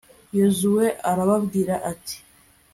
yozuwe arababwira ati